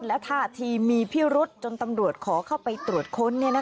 และท่าทีมีพิรุษจนตำรวจขอเข้าไปตรวจค้น